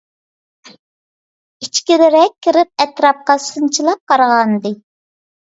ئىچكىرىرەك كىرىپ ئەتراپقا سىنچىلاپ قارىغانىدى.